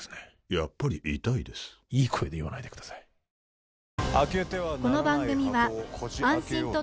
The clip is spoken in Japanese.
やっぱり痛いですいい声で言わないでくださいお？